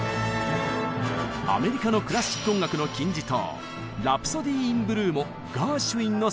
アメリカのクラシック音楽の金字塔「ラプソディー・イン・ブルー」もガーシュウィンの作品。